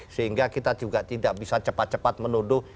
sehingga kita juga tidak bisa cepat cepat menuduh